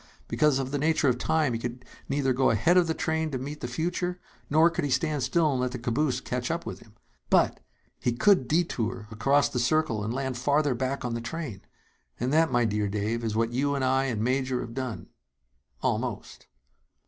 Because of the nature of time, he could neither go ahead of the train to meet the future nor could he stand still and let the caboose catch up with him. But he could detour across the circle and land farther back on the train! And that, my dear Dave, is what you and I and Major have done almost."